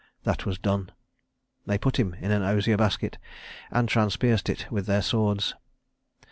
That was done. They put him in an osier basket and transpierced it with their swords.